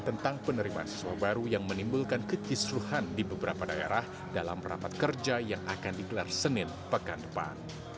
tentang penerimaan siswa baru yang menimbulkan kekisruhan di beberapa daerah dalam rapat kerja yang akan digelar senin pekan depan